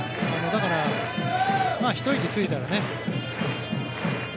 だから、ひと息ついたらね。